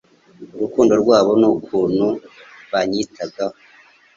Urukundo rwabo n'ukuntu banyitagaho